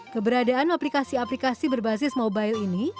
keberadaan aplikasi aplikasi berbasis mobile ini